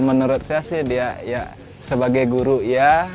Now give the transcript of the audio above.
menurut saya dia sebagai guru ya